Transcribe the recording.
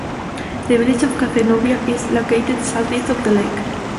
The village of Cazenovia is located southeast of the lake.